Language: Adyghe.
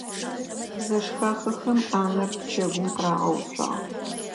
Зэшхахэхэм ӏанэр пчэгум къырагъэуцуагъ.